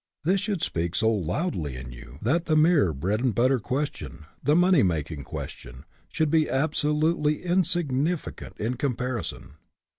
This should speak so loudly in you that the mere bread and butter 86 SPIRIT IN WHICH YOU WORK question, the money making question, should be absolutely insignificant in comparison.